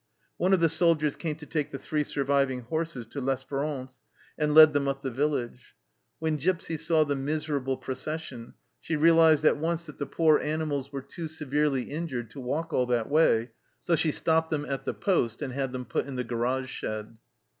One of the soldiers came to take the three surviving horses to L'Espdrance, and led them up the village. When Gipsy saw the miserable procession, she realized at once that the poor WAITING FOR ATTACK 199 animals were too severely injured to walk all that way, so she stopped them at the poste and had them put in the garage shed.